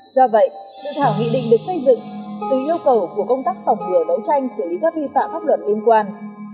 do vậy dự thảo nghị định được xây dựng từ yêu cầu của công tác phòng ngừa đấu tranh xử lý các vi phạm pháp luật liên quan